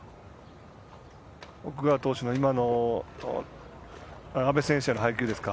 奥川投手の今の阿部選手への配球ですか。